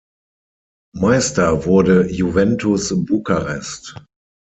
Meister wurde Juventus Bukarest.